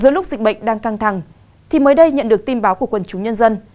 giữa lúc dịch bệnh đang căng thẳng thì mới đây nhận được tin báo của quần chúng nhân dân